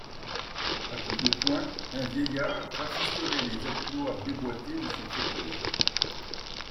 A coups de poing, un vieillard rafistolait les accoudoirs déboîtés de son fauteuil.